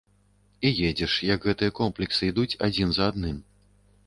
І едзеш, як гэтыя комплексы ідуць адзін за адным.